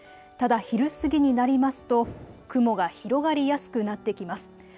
ただ昼過ぎになりますと雲が広がりやすくなってきます。